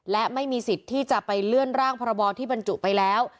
และไม่มีสิทธิ์ที่จะไปเลื่อนร่างพรบที่บรรจุไปแล้ว